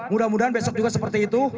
mudah mudahan besok juga seperti itu